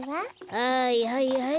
はいはいはい。